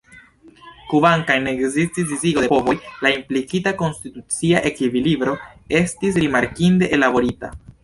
Kvankam ne ekzistis disigo de povoj, la implikita konstitucia ekvilibro estis rimarkinde ellaborita.